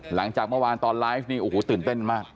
หลังจากเมื่อวานตอนไลฟ์นี่โอ้โหตื่นเต้นมาก